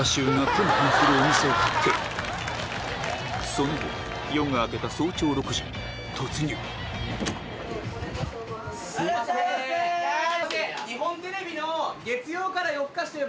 その後夜が明けた早朝６時突入すいません！